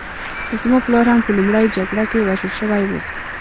زما پلار هم په لومړۍ جګړه کې وژل شوی و